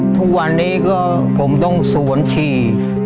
ทุกวันนี้ก็ผมต้องสวนฉี่